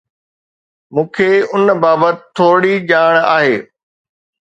مون کي ان بابت ٿورڙي ڄاڻ آهي.